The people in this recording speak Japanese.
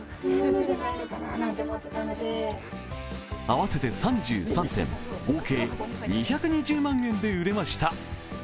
合わせて３３点、合計２２０万円で売れました。